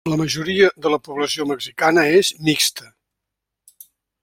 La majoria de la població mexicana és mixta.